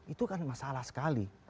itu kan masalah sekali